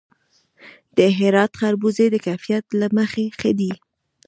د هرات خربوزې د کیفیت له مخې ښې دي.